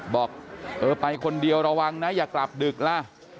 บอกเออไปคนเดียวระวังนะอย่ากลับดึกล่ะ